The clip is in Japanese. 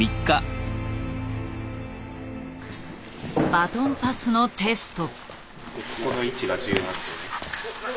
バトンパスのテスト。